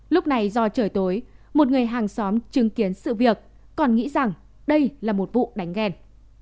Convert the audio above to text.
lúc này do trời tối một người hàng xóm chứng kiến sự việc còn nghĩ rằng đây là một vụ đánh ghen